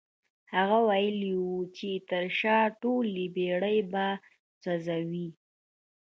هغه ويلي وو چې تر شا ټولې بېړۍ به سوځوي.